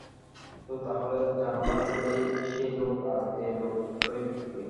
তো তাহলে জানালার সেই লোক আর এই লোক একই ব্যাক্তি?